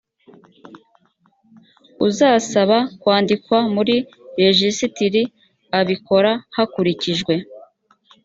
usaba kwandikwa muri rejisitiri abikora hakurikijwe